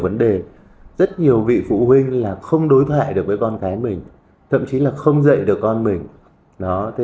nói chung là không đối thoại được với con cái mình thậm chí là không dạy được con mình